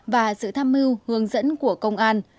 và sự tham mưu hướng dẫn của công an